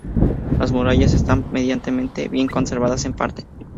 Las murallas están medianamente bien conservadas en parte.